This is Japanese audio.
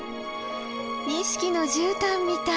錦のじゅうたんみたい。